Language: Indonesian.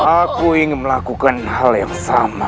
aku ingin melakukan hal yang sama